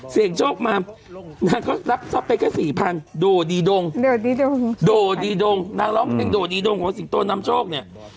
เสียงโชคมานางก็รับทรัพย์ไปแค่สี่พันโดดีดงโดดีดงโดดีดงนางร้องเพลงโดดีดงของสิงโตนำโชคเนี่ย